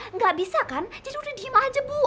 nggak bisa kan jadi udah diem aja bu